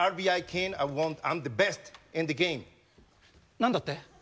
何だって？